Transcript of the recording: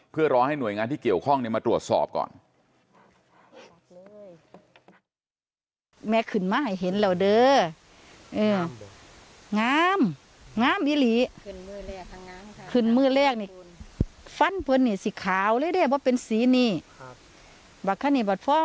เพื่อรอให้หน่วยงานที่เกี่ยวข้องมาตรวจสอบก่อน